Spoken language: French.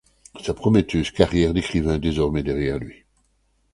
Sa prometteuse carrière d’écrivain est désormais derrière lui.